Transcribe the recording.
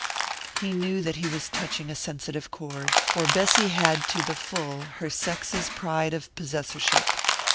He knew that he was touching a sensitive chord, for Bessy had to the full her sex's pride of possessorship.